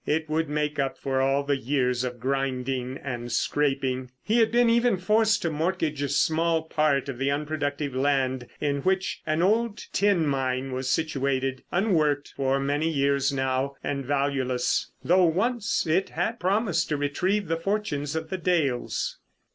It would make up for all the years of grinding and scraping. He had been even forced to mortgage a small part of the unproductive land in which an old tin mine was situated, unworked for many years now and valueless—though once it had promised to retrieve the fortunes of the Dales.